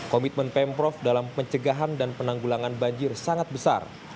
komitmen pemprov dalam pencegahan dan penanggulangan banjir sangat besar